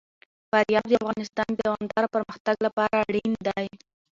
فاریاب د افغانستان د دوامداره پرمختګ لپاره اړین دي.